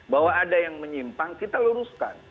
bahwa ada yang menyimpang kita luruskan